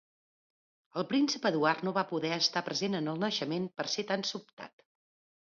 El príncep Eduard no va poder estar present en el naixement per ser tan sobtat.